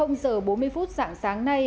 giờ bốn mươi phút sáng sáng nay